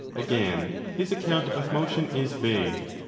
ὃ Again, his account of motion is vague.